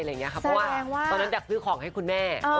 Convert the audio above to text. เพราะตอนนั้นจะซื้อของให้คุณแม่